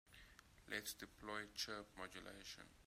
Let's deploy chirp modulation.